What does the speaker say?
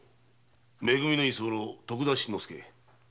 「め組」の居候徳田新之助。